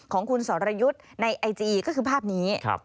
ของคุณสรยุทธ์ในไอจีก็คือภาพนี้